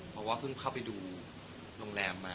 เพราะว่าเพิ่งเข้าไปดูโรงแรมมา